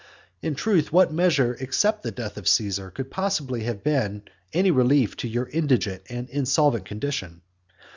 In truth, what measure except the death of Caesar could possibly have been any relief to your indigent and insolvent condition?